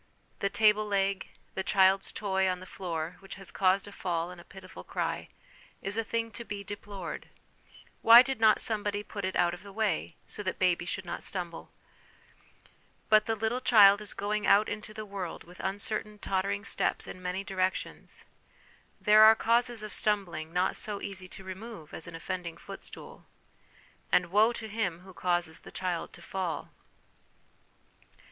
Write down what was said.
The table leg, the child's toy on the floor, which has caused a fall and a pitiful cry, is a thing to be deplored ; why did not somebody put it out of the way, so that the baby should not stumble ? But the little child is going out into the world with uncertain tottering steps in many directions. There are causes of stumbling not so easy to remove as an offending footstool ; and woe to him who causes the child to fall